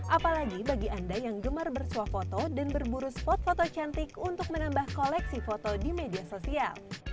apalagi bagi anda yang gemar bersuah foto dan berburu spot foto cantik untuk menambah koleksi foto di media sosial